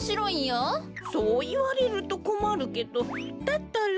そういわれるとこまるけどだったら。